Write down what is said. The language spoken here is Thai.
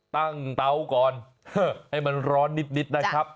เตาก่อนให้มันร้อนนิดนะครับ